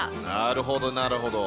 なるほどなるほど。